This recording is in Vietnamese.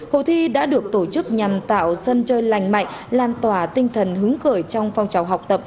hội thi đã được tổ chức nhằm tạo sân chơi lành mạnh lan tỏa tinh thần hứng khởi trong phong trào học tập